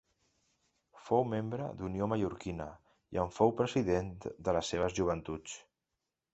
Fou membre d'Unió Mallorquina i en fou president de les seves joventuts.